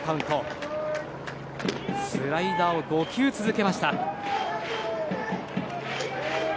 スライダーを５球続けました。